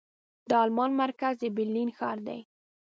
د المان مرکز د برلين ښار دې.